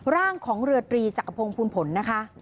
ร่างของเรือตรีจักรพงศ์ภูลผลนะคะ